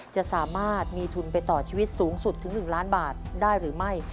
จะสามารถมีทุนไปต่อชีวิตสูงสุดถึง๑ล้านบาทได้หรือไม่